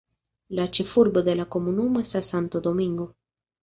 La ĉefurbo de la komunumo estas Santo Domingo.